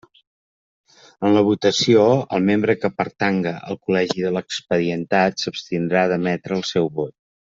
En la votació, el membre que pertanga al col·legi de l'expedientat, s'abstindrà d'emetre el seu vot.